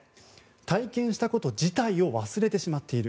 体験したこと自体を忘れてしまっている。